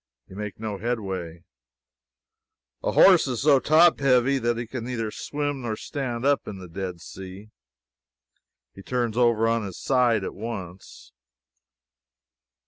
You make no headway. A horse is so top heavy that he can neither swim nor stand up in the Dead Sea. He turns over on his side at once.